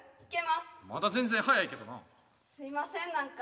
すいません何か。